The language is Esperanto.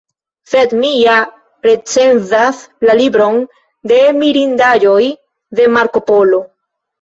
Sed mi ja recenzas La libron de mirindaĵoj de Marko Polo.